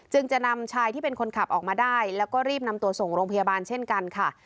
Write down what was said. จะนำชายที่เป็นคนขับออกมาได้แล้วก็รีบนำตัวส่งโรงพยาบาลเช่นกันค่ะ